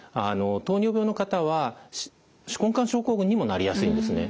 糖尿病の方は手根管症候群にもなりやすいんですね。